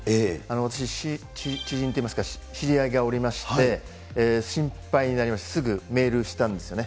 私、知人といいますか、知り合いがおりまして、心配になりまして、すぐメールしたんですよね。